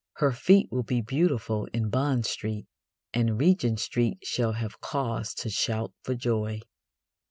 Her feet will be beautiful in Bond Street, and Regent Street shall have cause to shout for joy.